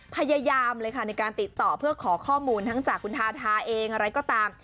พยายามเลยค่ะในการติดต่อเพื่อขอข้อมูลทั้งจากคุณทาทาเองอะไรก็ตาม